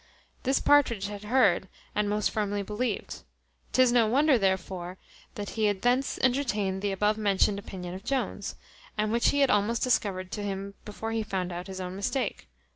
This Partridge had heard, and most firmly believed. 'Tis no wonder, therefore, that he had thence entertained the above mentioned opinion of Jones; and which he had almost discovered to him before he found out his own mistake.